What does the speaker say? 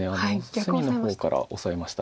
隅の方からオサえました。